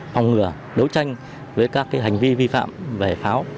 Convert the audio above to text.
phòng ngừa đấu tranh với các hành vi vi phạm về pháo